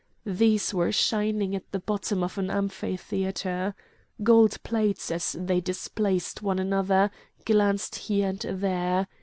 These were shining at the bottom of an ampitheatre. Gold plates, as they displaced one another, glanced here and there.